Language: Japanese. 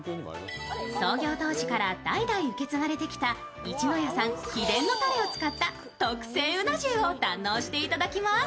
創業当時から代々受け継がれてきたいちのやさん秘伝のタレを使った特製うな重を堪能していただきます。